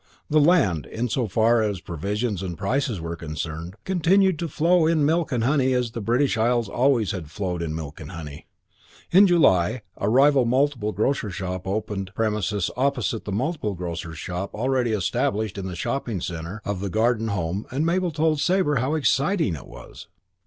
The land, in so far as provisions and prices were concerned, continued to flow in milk and honey as the British Isles had always flowed in milk and honey. In July a rival multiple grocer's shop opened premises opposite the multiple grocer's shop already established in the shopping centre of the Garden Home and Mabel told Sabre how very exciting it was.